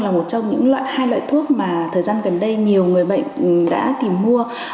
là một trong những loại hai loại thuốc mà thời gian gần đây nhiều người bệnh đã tìm mua